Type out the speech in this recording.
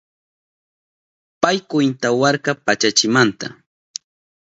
Pay kwintawarka pachachimanta